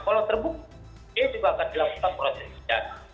kalau terbuk itu juga akan dilakukan proses kejadian